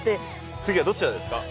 次はどちらですか？